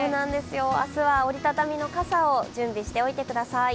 明日は折り畳みの傘を準備しておいてください。